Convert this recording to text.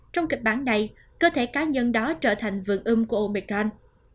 trong kịch bản này cơ thể cá nhân đó trở thành vườn ươm của omicron